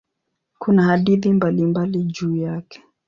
Kuna hadithi mbalimbali juu yake.